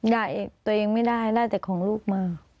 ตัวเองไม่ได้ได้แต่ของลูกมา